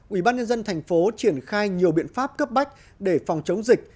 ủy ban nhân dân thành phố triển khai nhiều biện pháp cấp bách để phòng chống dịch